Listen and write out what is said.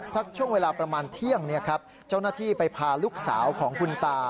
สักช่วงเวลาประมาณเที่ยงเจ้าหน้าที่ไปพาลูกสาวของคุณตา